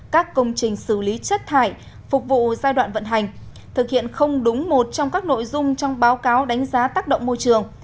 các công trình xử lý chất thải phục vụ giai đoạn vận hành thực hiện không đúng một trong các nội dung trong báo cáo đánh giá tác động môi trường